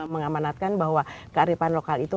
mengamanatkan bahwa kearifan lokal itu